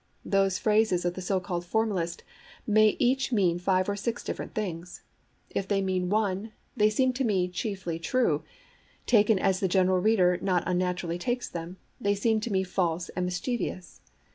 Those phrases of the so called formalist may each mean five or six different things. If they mean one, they seem to me chiefly true; taken as the general reader not unnaturally takes them, they seem to me false and mischievous.